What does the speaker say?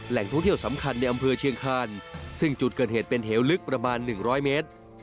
ท่องเที่ยวสำคัญในอำเภอเชียงคานซึ่งจุดเกิดเหตุเป็นเหวลึกประมาณ๑๐๐เมตร